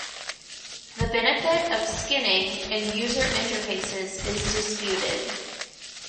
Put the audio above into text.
The benefit of skinning in user interfaces is disputed.